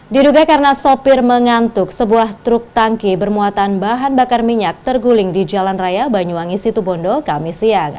diduga karena sopir mengantuk sebuah truk tangki bermuatan bahan bakar minyak terguling di jalan raya banyuwangi situbondo kami siang